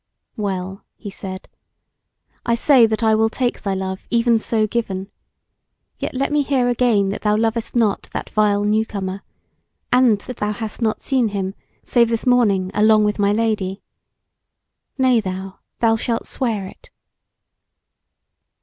"Well," he said, "I say that I will take thy love even so given. Yet let me hear again that thou lovest not that vile newcomer, and that thou hast not seen him, save this morning along with my Lady. Nay now, thou shalt swear it."